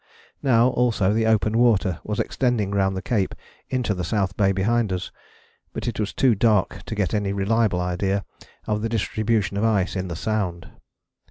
Now also the open water was extending round the cape into the South Bay behind us: but it was too dark to get any reliable idea of the distribution of ice in the Sound.